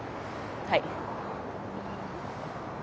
はい。